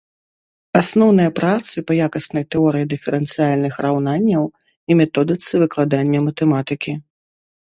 Асноўныя працы па якаснай тэорыі дыферэнцыяльных раўнанняў і методыцы выкладання матэматыкі.